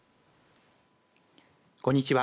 こんにちは。